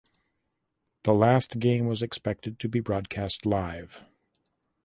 The last game was expected to be broadcast live.